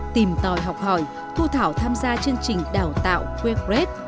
tìm tòi học hỏi thu thảo tham gia chương trình đào tạo wegrect